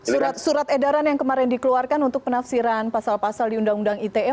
surat surat edaran yang kemarin dikeluarkan untuk penafsiran pasal pasal di undang undang itm